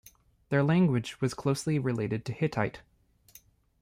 Their language was closely related to Hittite.